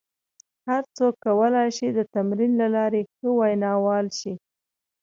هر څوک کولای شي د تمرین له لارې ښه ویناوال شي.